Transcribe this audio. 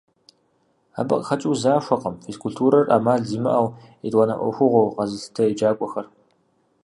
Абы къыхэкӀыу захуэкъым физкультурэр Ӏэмал зимыӀэу, етӀуанэ Ӏуэхугъуэу къэзылъытэ еджакӀуэхэр.